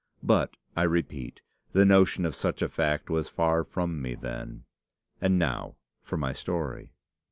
But, I repeat, the notion of such a fact was far from me then. And now for my story.